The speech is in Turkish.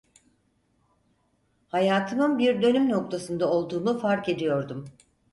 Hayatımın bir dönüm noktasında olduğumu fark ediyordum.